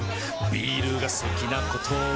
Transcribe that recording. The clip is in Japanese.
ビールが好きなことあぁーっ！